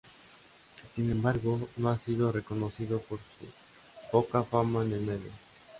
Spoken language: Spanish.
Sin embargo no ha sido reconocido por su poca fama en el medio.